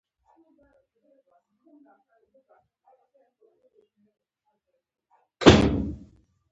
برېټانیا سیریلیون د خپل تحت الحیې په توګه اعلان کړ.